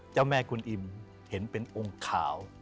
เจ้าแม่กุลอิ่มเห็นเป็นองค์ขาว